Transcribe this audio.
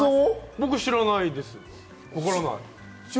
僕知らないですよ。